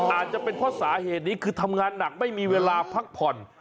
อาจจะเป็นเพราะสาเหตุนี้คือทำงานหนักไม่มีเวลาพักผ่อน